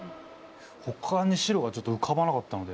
ほかに白がちょっと浮かばなかったので。